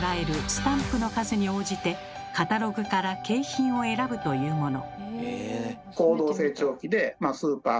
スタンプの数に応じてカタログから景品を選ぶというもの。